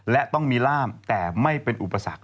และต้องมีร่ามแต่ไม่เป็นอุปสรรค